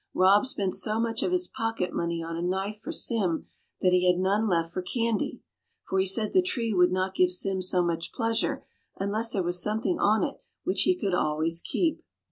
Rob spent so much of his pocket money on a knife for Sim that he had none left for candy; for he said the tree would not give Sim so much pleasure unless there was something on it which he could always keep."